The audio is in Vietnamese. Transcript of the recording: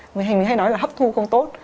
người hình mình hay nói là hấp thu không tốt